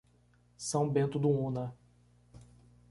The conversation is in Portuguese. São Bento do Una